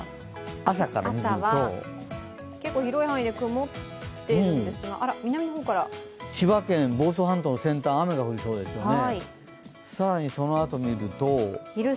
朝は結構広い範囲で曇っているんですが南の方から千葉県、房総半島の先端、雨が降りそうですよね。